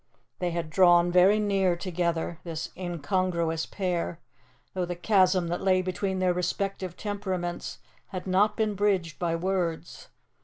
They had drawn very near together, this incongruous pair, though the chasm that lay between their respective temperaments had not been bridged by words.